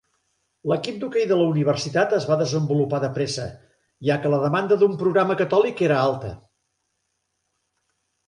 L'equip d'hoquei de la universitat es va desenvolupar de pressa, ja que la demanda d'un programa catòlic era alta.